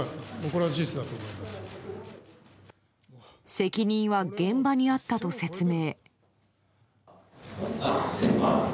責任は現場にあったと説明。